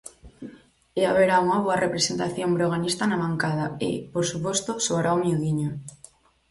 E haberá unha boa representación breoganista na bancada e, por suposto, soará o miudiño.